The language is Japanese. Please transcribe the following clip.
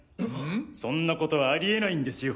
そんなことはあり得ないんですよ。